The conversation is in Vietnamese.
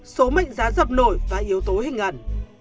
số mệnh giá dập nổi và yếu tố hình ẩn